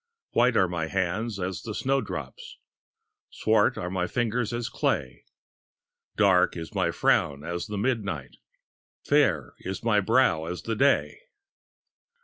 White are my hands as the snowdrop; Swart are my fingers as clay; Dark is my frown as the midnight, Fair is my brow as the day.